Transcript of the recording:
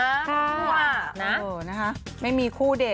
นะคะไม่มีคู่เดท